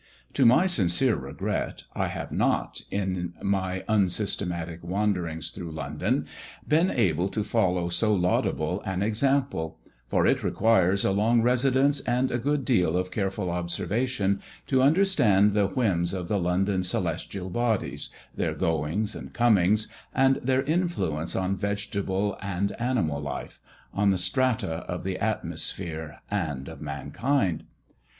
To my sincere regret, I have not, in my unsystematic wanderings through London, been able to follow so laudable an example; for it requires a long residence and a good deal of careful observation to understand the whims of the London celestial bodies their goings and comings and their influence on vegetable and animal life on the strata of the atmosphere and of mankind.